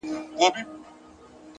پرمختګ د جرئت غوښتنه کوي،